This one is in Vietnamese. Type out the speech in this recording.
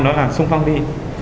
đó là sung phong đi